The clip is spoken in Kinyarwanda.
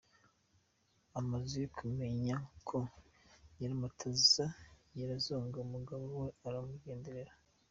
Amaze kumenya ko Nyiramataza yirozonga umugabo we aramugenderera.